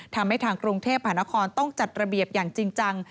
ทำให้ทางกรุงเทพหานครต้องจัดระเบียบอย่างจริงจัง